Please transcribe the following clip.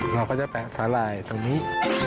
เราก็จะแปะสาหร่ายตรงนี้